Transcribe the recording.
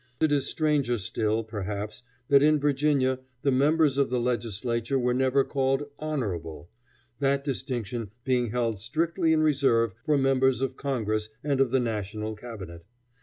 And it is stranger still, perhaps, that in Virginia the members of the Legislature were never called "honorable," that distinction being held strictly in reserve for members of Congress and of the national cabinet.